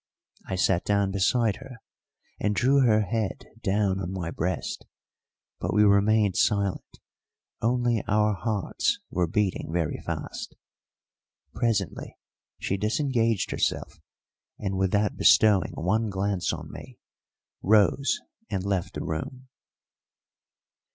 I sat down beside her and drew her head down on my breast, but we remained silent, only our hearts were beating very fast. Presently she disengaged herself, and, without bestowing one glance on me, rose and left the room.